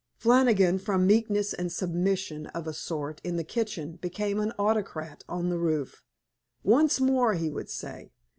Flannigan, from meekness and submission, of a sort, in the kitchen, became an autocrat on the roof. "Once more," he would say.